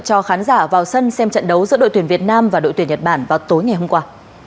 cho khán giả vào sân xem trận đấu giữa đội tuyển việt nam và đội tuyển nhật bản vào tối ngày hôm qua